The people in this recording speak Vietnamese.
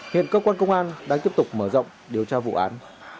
hiện cơ quan công an đang tiếp tục mở rộng điều tra vụ án